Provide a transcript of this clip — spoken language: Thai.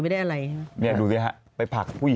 ไม่ได้อะไร